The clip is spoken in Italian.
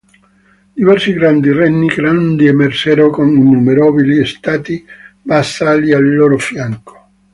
Diversi grandi regni grandi emersero, con "innumerevoli stati vassalli" al loro fianco.